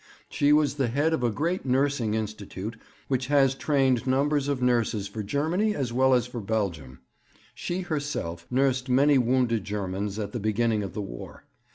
She was the head of a great nursing institute which has trained numbers of nurses for Germany as well as for Belgium. She herself nursed many wounded Germans at the beginning of the War.